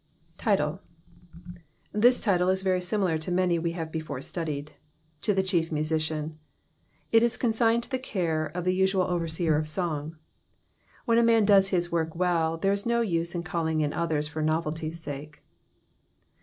Title. — T/ds Me is very similar to many vse have brfore studied. To the Chief Mu sician. H is consigned to the care of the usual overseer of song. When a man does his work toefl, there is no use in callinq in others for novelty's sake.